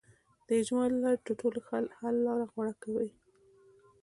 د اجماع له لارې تر ټولو ښه حل لاره غوره کوي.